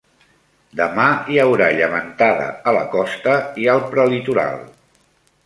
Demà hi haurà llevantada a la costa i al prelitoral.